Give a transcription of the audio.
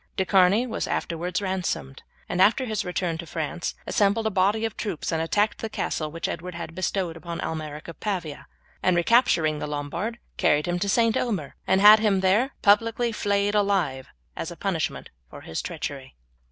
De Charny was afterwards ransomed, and after his return to France assembled a body of troops and attacked the castle which Edward had bestowed upon Almeric of Pavia, and capturing the Lombard, carried him to St. Omer, and had him there publicly flayed alive as a punishment for his treachery.